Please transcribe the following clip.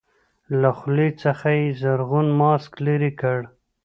له خولې څخه يې زرغون ماسک لرې کړ.